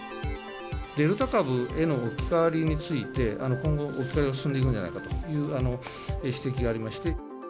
デルタ株への置き換わりについて、今後、置き換わりが進んでいくんじゃないかという指摘がありまして。